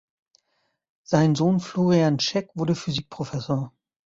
Sein Sohn Florian Scheck wurde Physikprofessor.